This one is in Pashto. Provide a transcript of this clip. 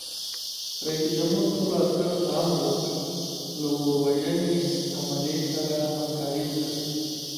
رئیس جمهور خپلو عسکرو ته امر وکړ؛ له اور وژنې عملې سره همکاري وکړئ!